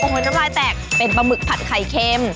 เหมือนน้ำลายแตกเป็นปลาหมึกผัดไข่เค็ม